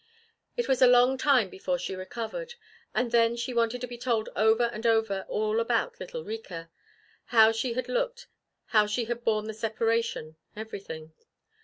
It was a long time before she recovered, and then she wanted to be told over and over all about little Rika. How she had looked, how she had borne the separation, everything.